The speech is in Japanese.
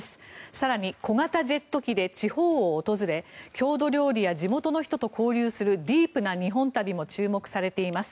更に、小型ジェット機で地方を訪れ郷土料理や地元の人と交流するディープな日本旅も注目されています。